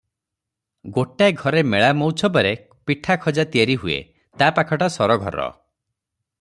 ଗୋଟାଏ ଘରେ ମେଳା ମଉଛବରେ ପିଠା ଖଜା ତିଆରି ହୁଏ, ତା ପାଖଟା ସରଘର ।